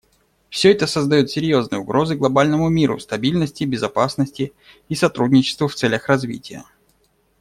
Всё это создает серьезные угрозы глобальному миру, стабильности, безопасности и сотрудничеству в целях развития.